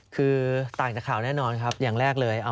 คือต่างจากข่าวแน่นอนครับอย่างแรกเลย